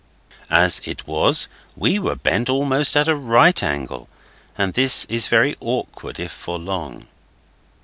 As it was, we were bent almost at a right angle, and this is very awkward if for long.